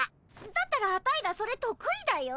だったらアタイらそれとく意だよ。